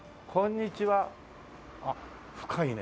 あっ深いね！